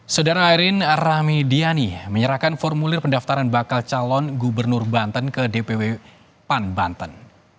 sedara ayrin rahmi diani menyerahkan formulir pendaftaran bakal calon gubernur banten ke dpw pan banten